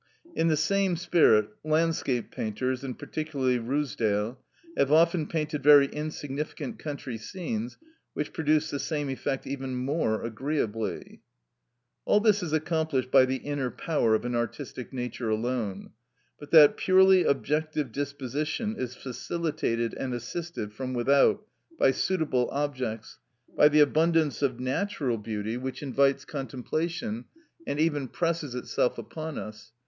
In the same spirit, landscape painters, and particularly Ruisdael, have often painted very insignificant country scenes, which produce the same effect even more agreeably. All this is accomplished by the inner power of an artistic nature alone; but that purely objective disposition is facilitated and assisted from without by suitable objects, by the abundance of natural beauty which invites contemplation, and even presses itself upon us.